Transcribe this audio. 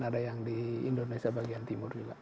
ada yang di indonesia bagian timur juga